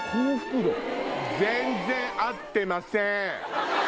全然合ってません！